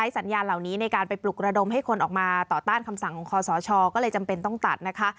สัญญาณเหล่านี้ในการไปปลุกระดมให้คนออกมาต่อต้านคำสั่งของคอสชก็เลยจำเป็นต้องตัดนะคะ